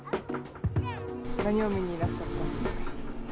何を見にいらっしゃったんですか。